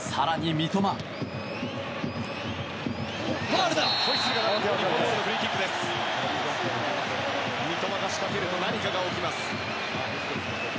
三笘が仕掛けると何かが起きます。